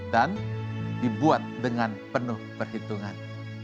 dan dibuat dengan penuh perhitungan